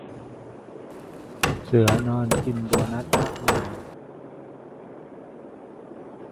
เสือนอนกิน โบนัสมากมาย